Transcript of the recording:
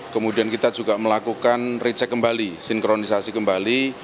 kemudian kita juga melakukan recheck kembali sinkronisasi kembali